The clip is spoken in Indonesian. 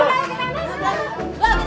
udah kita ambil aja